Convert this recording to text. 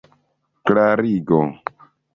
klarigo